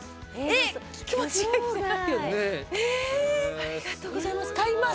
ありがとうございます。